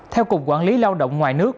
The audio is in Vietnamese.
theo cục quản lý lao động ngoài nước